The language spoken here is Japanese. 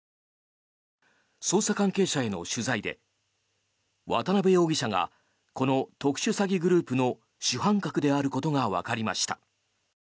捜査関係者への取材で渡邉容疑者がこの特殊詐欺グループの主犯格であることがわかりました。